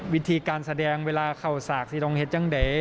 วิธีการแสดงเวลาเข้าสากสิลองเห็ดจังเด๋